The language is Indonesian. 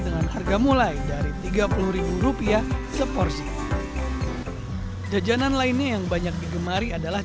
dengan harga mulai dari tiga puluh rupiah seporsi jajanan lainnya yang banyak digemari adalah